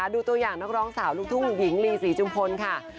ดูตัวอย่างนักร้องสาวลูกทุ่งหญิงลีศรีจุมพลค่ะ